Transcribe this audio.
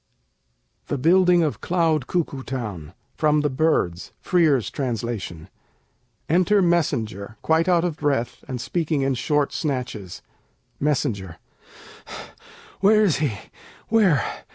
THE BUILDING OF CLOUD CUCKOO TOWN From 'The Birds ': Frere's Translation [Enter Messenger, quite out of breath, and speaking in short snatches.] Messenger Where is he? Where?